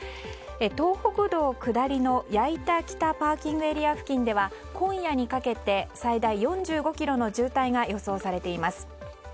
東北道下りの矢板北ＰＡ付近では今夜にかけて最大４５ｋｍの渋滞が予想されています。